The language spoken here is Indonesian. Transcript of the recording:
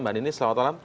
mbak nini selamat malam